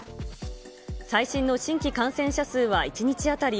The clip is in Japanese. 最新の新規感染者数は１日当たり